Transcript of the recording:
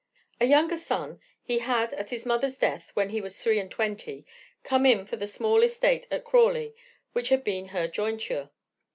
A younger son, he had, at his mother's death, when he was three and twenty, come in for the small estate at Crawley, which had been her jointure.